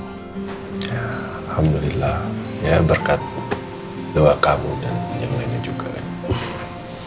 alhamdulillah ya berkat doa kamu dan yang lainnya juga